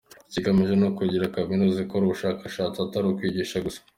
Ikigamijwe ni ukugira Kaminuza ikora ubushakashatsi atari ukwigisha gusa.